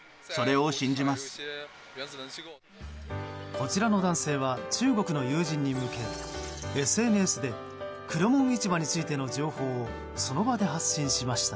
こちらの男性は中国の友人に向けＳＮＳで黒門市場についての情報をその場で発信しました。